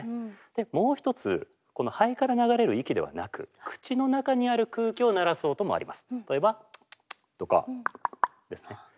もう一つこの肺から流れる息ではなく口の中にある空気を鳴らす音もあります。